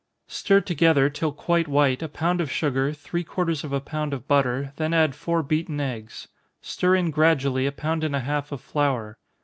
_ Stir together, till quite white, a pound of sugar, three quarters of a pound of butter, then add four beaten eggs. Stir in gradually a pound and a half of flour.